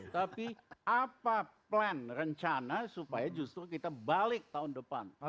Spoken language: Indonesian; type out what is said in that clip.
tapi apa plan rencana supaya justru kita balik tahun depan